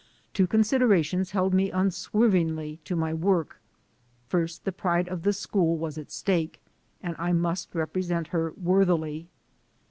Two considerations held me unswervingly to my work. First the pride of the school was at stake, and I must represent her worthily.